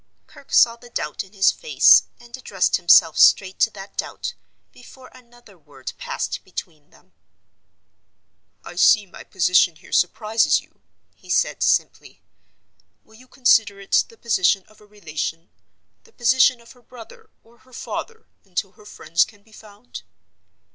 Kirke saw the doubt in his face; and addressed himself straight to that doubt, before another word passed between them, "I see my position here surprises you," he said, simply. "Will you consider it the position of a relation—the position of her brother or her father—until her friends can be found?"